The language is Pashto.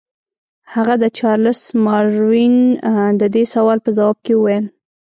هغه د چارلس ماروین د دې سوال په ځواب کې وویل.